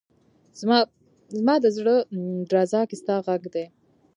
زما ده زړه درزا کي ستا غږ دی